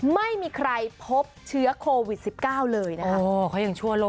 ไม่มีใครพบเชื้อโควิด๑๙เลยนะคะ